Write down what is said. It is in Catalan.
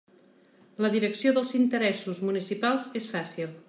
La direcció dels interessos municipals és fàcil.